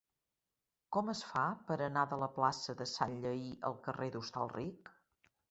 Com es fa per anar de la plaça de Sanllehy al carrer d'Hostalric?